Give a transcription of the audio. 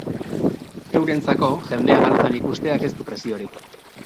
Eurentzako, jendea dantzan ikusteak ez du preziorik.